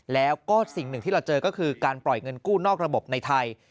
แล้วก็สิ่งหนึ่งที่เราเจอก็คือการปล่อยเงินกู้นอกระบบในไทย